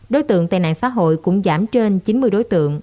đối tượng tên nạn xã hội cũng giảm trên chín mươi đối tượng